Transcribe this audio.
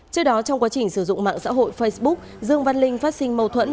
trước đó trong quá trình sử dụng mạng xã hội facebook dương văn linh phát sinh mâu thuẫn